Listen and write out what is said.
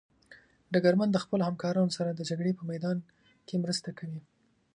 ډګرمن د خپلو همکارانو سره د جګړې په میدان کې مرسته کوي.